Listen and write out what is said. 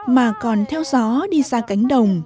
mà còn theo gió đi ra cánh đồng